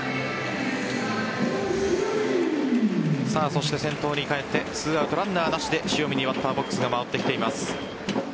そして先頭に返って２アウトランナーなしで塩見にバッターボックスが回ってきています。